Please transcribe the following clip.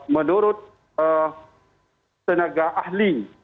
menurut tenaga ahli